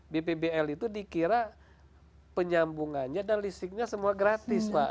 bpbl itu dikira penyambungannya dan listriknya semua gratis pak